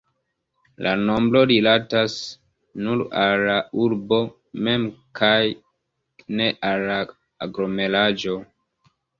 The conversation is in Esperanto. La nombro rilatas nur al la urbo mem kaj ne al la aglomeraĵo.